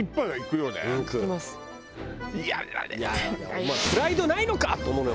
お前プライドないのか！と思うのよ